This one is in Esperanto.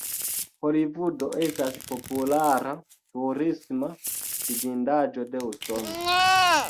Holivudo estas populara turisma vidindaĵo de Usono.